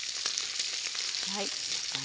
はい。